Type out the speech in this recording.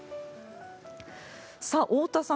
太田さん